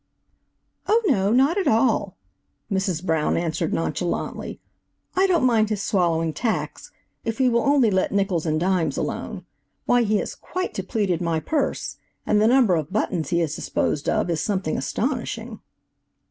"Oh, no, not at all," Mrs. Brown answered nonchalantly. "I don't mind his swallowing tacks, if he will only let nickels and dimes alone. Why, he has quite depleted my purse, and the number of buttons he has disposed of is something astonishing."